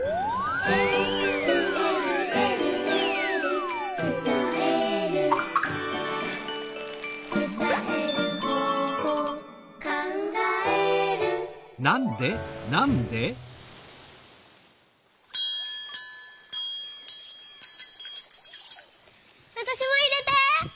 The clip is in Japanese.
「えるえるえるえる」「つたえる」「つたえる方法」「かんがえる」わたしもいれて！